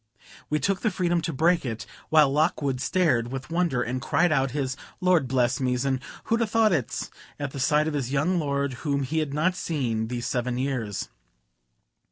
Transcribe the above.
We took the freedom to break it, while Lockwood stared with wonder, and cried out his "Lord bless me's," and "Who'd a thought it's," at the sight of his young lord, whom he had not seen these seven years.